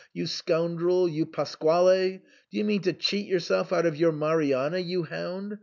you scoundrel, you, — Pasquale ! Do you mean to cheat yourself out of your Marianna, you hound